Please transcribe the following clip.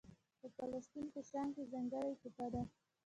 خو فلسطین په شام کې ځانګړې ټوټه ده.